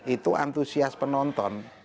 itu antusias penonton